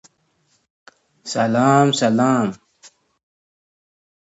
پروفیسور باربور وايي، څېړنه تخنیکي پرمختګ دی.